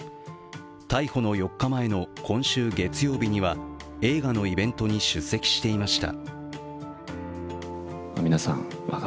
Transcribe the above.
逮捕の４日前の今週月曜日には映画のイベントに出席していました。